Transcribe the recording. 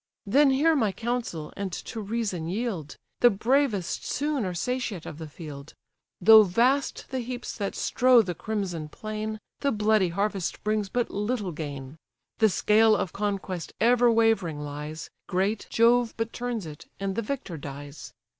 Then hear my counsel, and to reason yield, The bravest soon are satiate of the field; Though vast the heaps that strow the crimson plain, The bloody harvest brings but little gain: The scale of conquest ever wavering lies, Great Jove but turns it, and the victor dies!